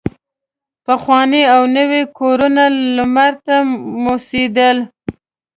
پخواني او نوي کورونه لمر ته موسېدل.